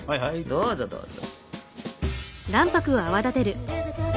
どうぞどうぞ。